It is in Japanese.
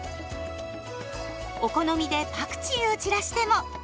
お好みでパクチーを散らしても！